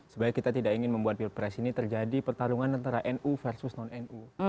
sebenarnya kita tidak ingin membuat pilpres ini terjadi pertarungan antara nu versus non nu